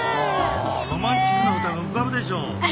ロマンチックな歌が浮かぶでしょ。